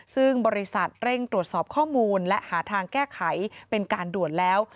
ซึ่งบริษัทเร่งตรวจสอบข้อมูลและหาทางแก้ไขเป็นการด่วนแล้ว